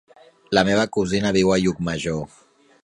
La meva cosina viu a Llucmajor.